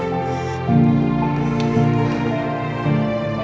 aku mau denger